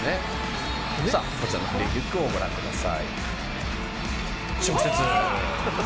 「こちらのフリーキックをご覧ください」「直接」